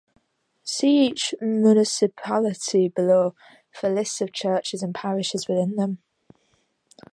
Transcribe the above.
See each municipality below for lists of churches and parishes within them.